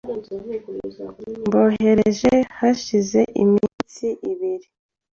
Mboherereje hashize iminsi ibiri.